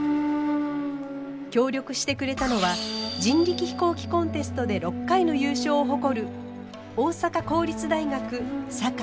協力してくれたのは人力飛行機コンテストで６回の優勝を誇る大阪公立大学堺・風車の会。